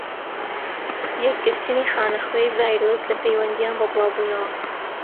یەکگرتنی خانەخوێی-ڤایرۆس لە پەیوەندیان بە بڵاو بونەوە.